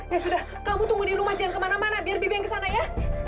ya sudah kamu tunggu di rumah jangan kemana mana biar bibi yang kesana ya